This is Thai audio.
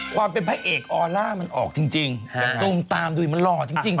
ความเป็นพระเอกออร่ามันออกจริงตูมตามดุมันหล่อจริง